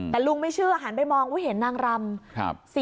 แต่ลุงไม่เชื่อหันไปมองว่าเห็นนางรำ